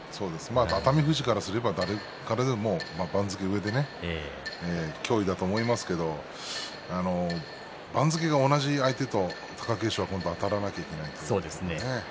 熱海富士からすれば誰でも番付上で脅威だと思いますけれども番付が同じ相手と貴景勝は今度はあたらなければいけません。